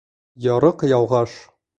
Ярыҡ ялғаш